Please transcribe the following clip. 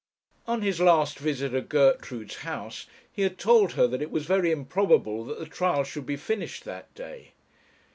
On his last visit at Gertrude's house he had told her that it was very improbable that the trial should be finished that day.